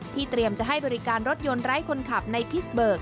ที่เตรียมจะให้บริการรถยนต์ร้ายคนขับในพีชเบิร์ก